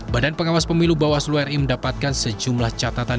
badan pengawas pemilu bawaslu ri mendapatkan sejumlah catatan